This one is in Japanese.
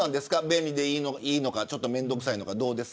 便利でいいのか面倒くさいのか。